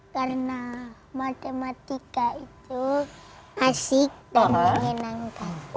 karena matematika itu asik dan menyenangkan